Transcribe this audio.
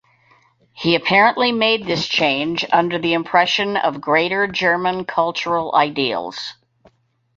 He apparently made this change under the impression of "Greater German cultural ideals".